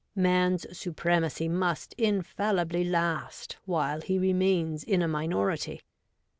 Man's supremacy must infallibly last while he remains in a minority.